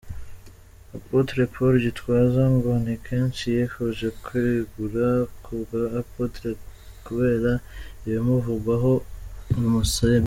Apotre Paul Gitwaza ngo ni kenshi yifuje kwegura kubwa Apotre kubera ibimuvugwaho bimusebya.